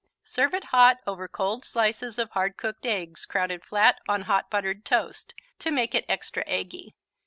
Serve it hot over cold slices of hard cooked eggs crowded flat on hot buttered toast, to make it extra eggy.